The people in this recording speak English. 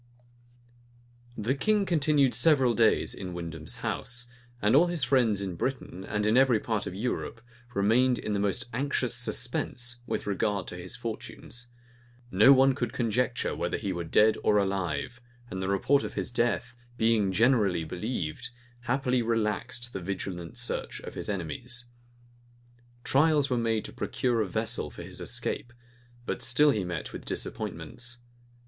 The king continued several days in Windham's house; and all his friends in Britain, and in every part of Europe, remained in the most anxious suspense with regard to his fortunes: no one could conjecture whether he were dead or alive; and the report of his death, being generally believed, happily relaxed the vigilant search of his enemies. Trials were made to procure a vessel for his escape; but he still met with disappointments.